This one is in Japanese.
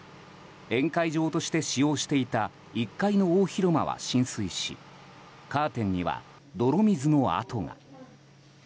宴会場として使用していた１階の大広間は浸水しカーテンには泥水の跡が。